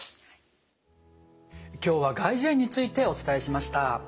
今日は外耳炎についてお伝えしました。